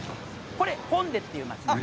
これホンデっていう街です。